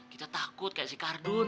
kita takut kayak si kardun